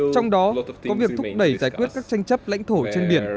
trong đó có việc thúc đẩy giải quyết các tranh chấp lãnh thổ trên biển